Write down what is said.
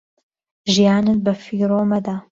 ژیانت بە فیڕۆ مەدە